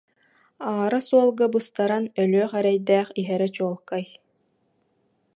Аара суолга быстаран өлүөх эрэйдээх иһэрэ чуолкай